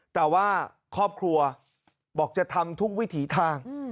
แต่ว่าครอบครัวบอกจะทำทุกวิถีทาง